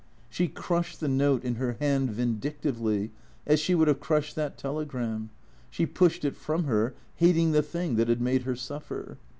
She crushed the note in her hand vindictively, as she would have crushed that telegram : she pushed it from her, hating the thing that had made her suffer.